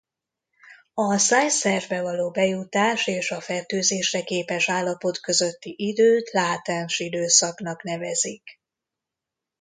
A szájszervbe való bejutás és a fertőzésre képes állapot közötti időt látens időszaknak nevezik.